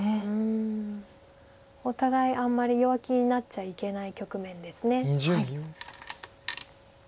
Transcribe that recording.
お互いあんまり弱気になっちゃいけない局面です。